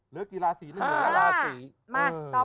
เดี๋ยวเดี๋ยวกี่ราศรีน่ะ